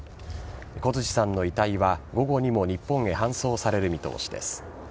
小槌さんの遺体は午後にも日本へ搬送される見通しです。